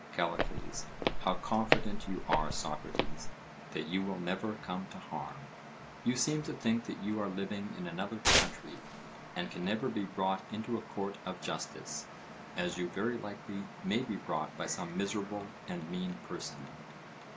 CALLICLES: How confident you are, Socrates, that you will never come to harm! you seem to think that you are living in another country, and can never be brought into a court of justice, as you very likely may be brought by some miserable and mean person.